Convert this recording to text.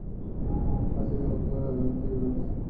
Ha sido autora de dos libros.